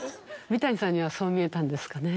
三谷さんにはそう見えたんですかね。